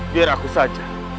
biar aku saja